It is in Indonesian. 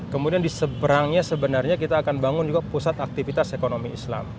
kemudian di seberangnya sebenarnya kita akan bangun juga pusat aktivitas ekonomi islam